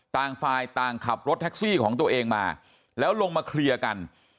ต่างฝ่ายต่างขับรถแท็กซี่ของตัวเองมาแล้วลงมาเคลียร์กัน